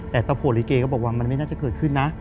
แต่ตำรวจลิเกก็บอกว่ามันไม่น่าจะเกิดขึ้นนะ